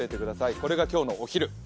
これが今日のお昼。